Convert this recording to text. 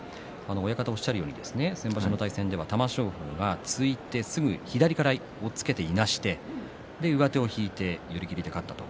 親方がおっしゃるように先場所の対戦では玉正鳳が突いてすぐに左から押っつけていなして上手を引いて寄り切りで勝った。